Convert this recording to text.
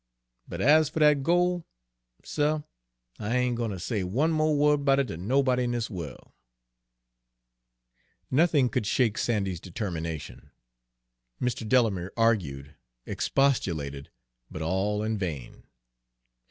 But ez fer dat gol', suh, I ain' gwine ter say one wo'd mo' 'bout it ter nobody in dis worl'!" Nothing could shake Sandy's determination. Mr. Delamere argued, expostulated, but all in vain.